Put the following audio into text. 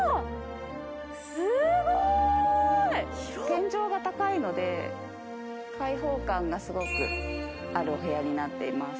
天井が高いので開放感がすごくあるお部屋になっています。